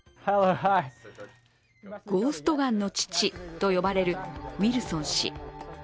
ゴーストガンの父と呼ばれるウィルソン氏。